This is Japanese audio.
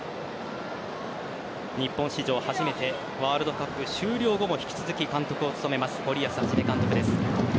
日本史上初めてワールドカップ終了後も引き続き監督を務めます森保一監督です。